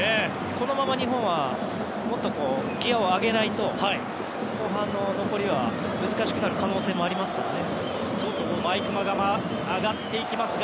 このまま日本はギアを上げないと後半の残りは難しくなる可能性もありますからね。